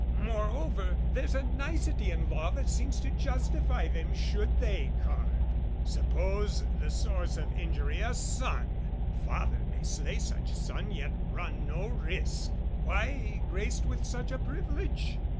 Moreover, there's a nicety in law That seems to justify them should they carp: Suppose the source of injury a son, Father may slay such son yet run no risk: Why graced with such a privilege?